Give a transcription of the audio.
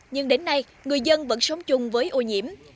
nhưng đến nay người dân vẫn sống chung với ô nhiễm